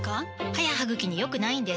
歯や歯ぐきに良くないんです